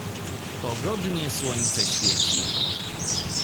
"Pogodnie słońce świeci."